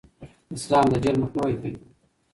اسلام د جهل مخنیوی کوي.